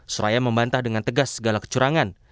seraya membantah dengan tegas segala kecurangan